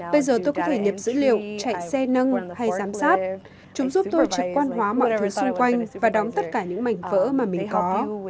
bây giờ tôi có thể nhập dữ liệu chạy xe nâng hay giám sát chúng giúp tôi trực quan hóa mọi thứ xung quanh và đóng tất cả những mảnh vỡ mà mình có